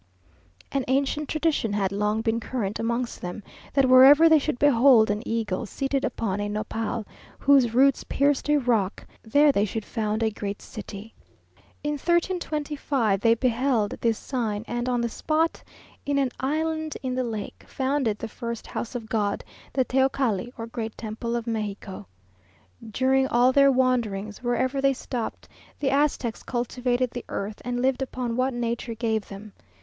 An ancient tradition had long been current amongst them, that wherever they should behold an eagle seated upon a nopal whose roots pierced a rock, there they should found a great city. In 1325 they beheld this sign, and on the spot, in an island in the lake, founded the first house of God the Teocalli, or Great Temple of Mexico. During all their wanderings, wherever they stopped, the Aztecs cultivated the earth, and lived upon what nature gave them.